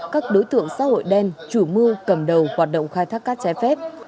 các đối tượng xã hội đen chủ mưu cầm đầu hoạt động khai thác cát trái phép